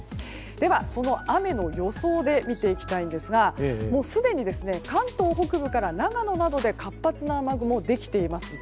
では、その雨の予想で見ていきたいんですがすでに関東北部から長野などで活発な雨雲ができています。